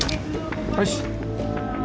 よし！